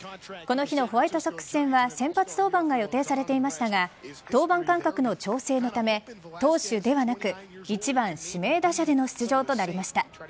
この日のホワイトソックス戦は先発登板が予定されていましたが登板間隔の調整のため投手ではなく１番、指名打者での出場となりました。